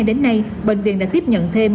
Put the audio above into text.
đến nay bệnh viện đã tiếp nhận thêm